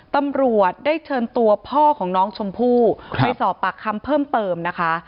ตำรวจได้เชิญตัวพ่อของน้องชมพู่ไปสอบปากคำเพิ่มเติมนะคะ